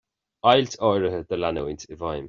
Ailt áirithe do leanúint i bhfeidhm.